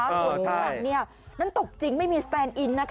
เออใช่ตกทางหลังเนี่ยนั้นตกจริงไม่มีแสนอินนะคะ